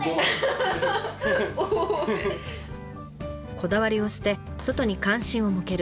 こだわりを捨て外に関心を向ける。